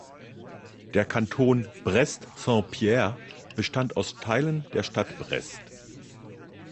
Der Kanton Brest-Saint-Pierre bestand aus Teilen der Stadt Brest.